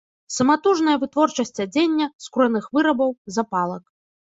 Саматужная вытворчасць адзення, скураных вырабаў, запалак.